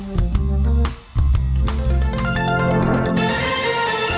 หรือ